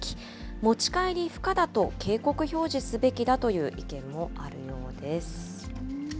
持ち帰り不可だと警告表示すべきだという意見もあるようです。